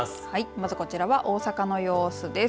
まず、こちらは大阪の様子です。